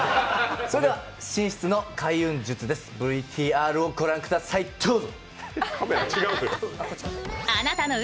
それでは寝室の開運術です、ＶＴＲを御覧ください、どうぞ！